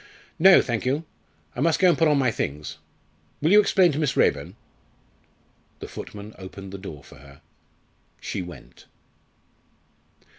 "No, thank you. I must go and put on my things. Will you explain to Miss Raeburn?" The footman opened the door for her. She went.